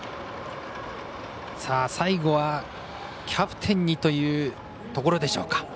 最後はキャプテンにというところでしょうか。